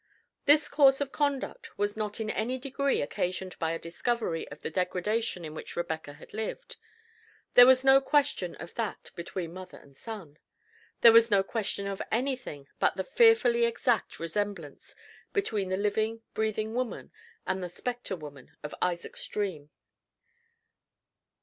This course of conduct was not in any degree occasioned by a discovery of the degradation in which Rebecca had lived. There was no question of that between mother and son. There was no question of anything but the fearfully exact resemblance between the living, breathing woman and the specter woman of Isaac's dream.